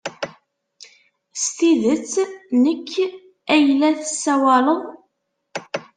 S tidet-nnek ay la tessawaleḍ?